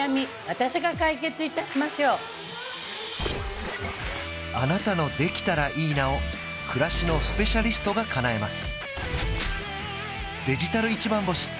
私が解決いたしましょうあなたの「できたらいいな」を暮らしのスペシャリストがかなえます